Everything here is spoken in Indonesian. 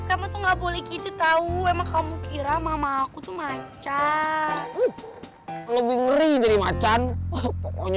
kamu tuh nggak boleh gitu tau emang kamu kira mama aku tuh macan lebih ngeri dari macan pokoknya